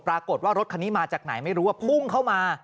ปรากฏว่ารถคันนี้มาจากไหนไม่รู้ว่าพุ่งเข้ามา